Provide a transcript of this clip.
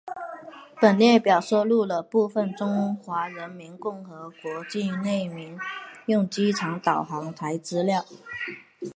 本列表收录了部分中华人民共和国境内民用机场导航台资料。